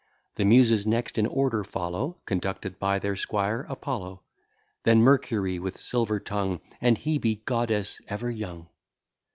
The Muses next in order follow, Conducted by their squire, Apollo: Then Mercury with silver tongue; And Hebe, goddess ever young.